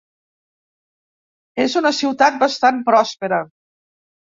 És una ciutat bastant pròspera.